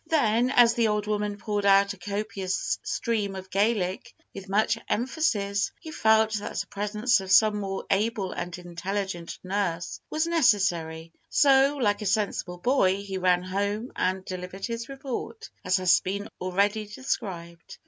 Then, as the old woman poured out a copious stream of Gaelic with much emphasis, he felt that the presence of some more able and intelligent nurse was necessary; so, like a sensible boy, he ran home and delivered his report, as has been already described.